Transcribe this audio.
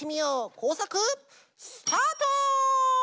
こうさくスタート！